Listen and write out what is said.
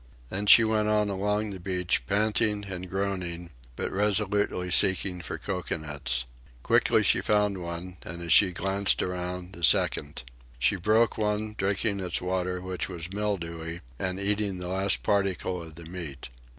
Then she went on along the beach, panting and groaning, but resolutely seeking for cocoanuts. Quickly she found one, and, as she glanced around, a second. She broke one, drinking its water, which was mildewy, and eating the last particle of the meat.